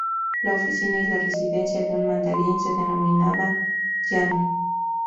La oficina y la residencia de un mandarin se denominaba yamen.